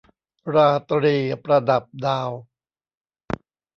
ราตรีประดับดาว